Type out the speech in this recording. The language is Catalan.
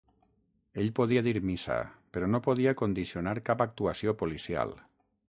Ell podia dir missa però no podia condicionar cap actuació policial.